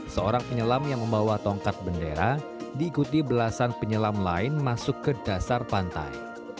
seorang penyelam yang membawa tongkat bendera diikuti belasan penyelam lain masuk ke dasar pantai